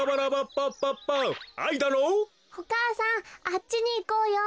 おかあさんあっちにいこうよ。